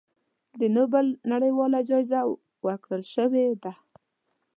د نوبل نړیواله جایزه ورکړی شوې ده.